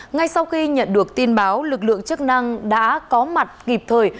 ngay sau khi nhận được tin báo lực lượng chức năng đã có mặt kịp thời